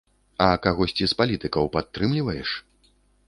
А кагосьці з палітыкаў падтрымліваеш?